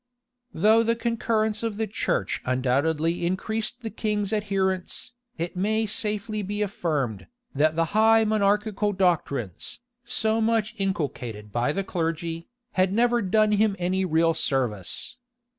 Though the concurrence of the church undoubtedly increased the king's adherents, it may safely be affirmed, that the high monarchical doctrines, so much inculcated by the clergy, had never done him any real service.